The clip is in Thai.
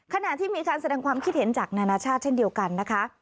ขณะที่มีการแสดงความคิดเห็นจากนานาชาติเช่นเดียวกันนะคะ